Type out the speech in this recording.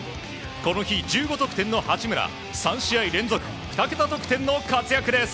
この日１５得点の八村３試合連続２桁得点の活躍です。